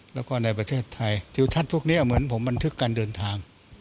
แล้วก็ในประเทศไทยทิวทัศน์พวกนี้เหมือนผมบันทึกการเดินทาง